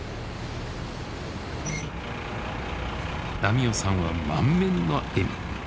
波男さんは満面の笑み。